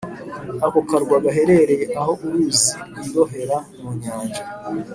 Ako karwa gaherereye aho uruzi rwirohera mu Nyanja.